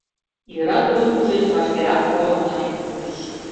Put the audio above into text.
Йӧра тудым тушеч вашкерак поҥгалтарен луктыч.